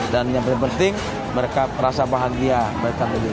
dan yang paling penting mereka merasa bahagia mereka lebih baik